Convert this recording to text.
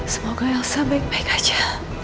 semoga elsa baik baik aja